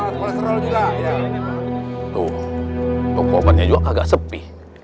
tuh dokumannya juga agak sepi